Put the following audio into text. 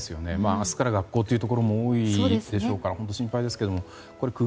明日から学校というところも多いでしょうから本当、心配ですけれども。